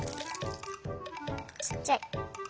ちっちゃい。